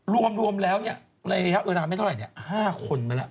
รวมแล้วในระยะเวลาไม่เท่าไหร่๕คนไปแล้ว